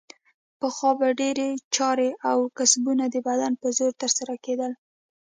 پخوا به ډېرې چارې او کسبونه د بدن په زور ترسره کیدل.